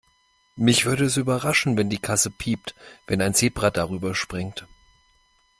Mich würde es überraschen, wenn die Kasse piept, wenn ein Zebra darüberspringt.